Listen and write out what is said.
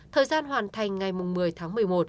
thời gian hoàn thành ngày một mươi tháng một mươi một